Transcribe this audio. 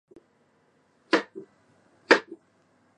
長野県根羽村